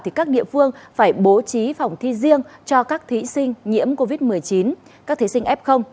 thì các địa phương phải bố trí phòng thi riêng cho các thí sinh nhiễm covid một mươi chín các thí sinh f